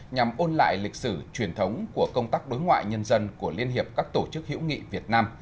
nhằm ôn lại lịch sử truyền thống của công tác đối ngoại nhân dân của liên hiệp các tổ chức hữu nghị việt nam